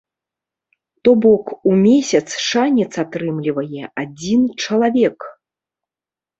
То бок, у месяц шанец атрымлівае адзін чалавек!